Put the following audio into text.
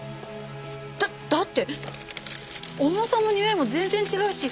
だだって重さもにおいも全然違うし。